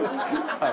はい。